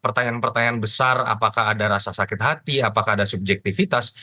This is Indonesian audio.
pertanyaan pertanyaan besar apakah ada rasa sakit hati apakah ada subjektivitas